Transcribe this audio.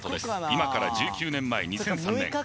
今から１９年前２００３年